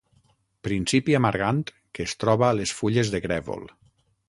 Principi amargant que es troba a les fulles de grèvol.